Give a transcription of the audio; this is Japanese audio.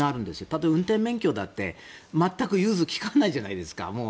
例えば運転免許だって全く融通が利かないじゃないですか。